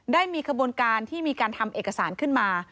ได้มีขบวนการที่มีการทำเอกสารขึ้นมา